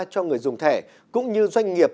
cho người dùng thẻ cũng như doanh nghiệp